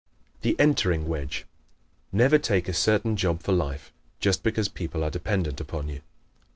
The Entering Wedge ¶ Never take a certain job for life just because people are dependent upon you.